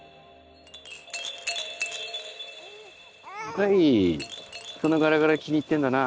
海そのガラガラ気に入ってんだな